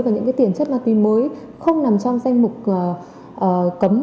và những tiền chất ma túy mới không nằm trong danh mục cấm